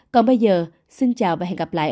còn bây giờ xin chào và hẹn gặp lại